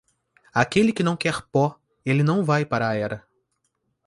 Aquele que não quer pó, ele não vai para a era.